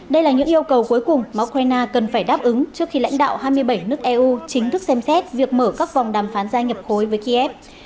đây là những yêu cầu cuối cùng mà ukraine cần phải đáp ứng trước khi lãnh đạo hai mươi bảy nước eu chính thức xem xét việc mở các vòng đàm phán gia nhập khối với kiev